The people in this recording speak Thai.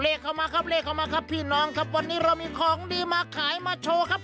เข้ามาครับเลขเข้ามาครับพี่น้องครับวันนี้เรามีของดีมาขายมาโชว์ครับ